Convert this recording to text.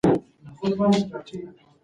په دلیل خبرې وکړئ.